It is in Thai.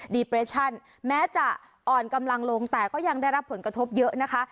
เปรชั่นแม้จะอ่อนกำลังลงแต่ก็ยังได้รับผลกระทบเยอะนะคะ